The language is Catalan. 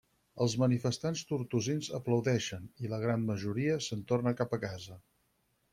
Els manifestants tortosins aplaudeixen, i la gran majoria se'n torna cap a casa.